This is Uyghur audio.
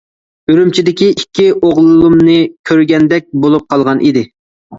ئۈرۈمچىدىكى ئىككى ئوغلۇمنى كۆرگەندەك بولۇپ قالغان ئىدى.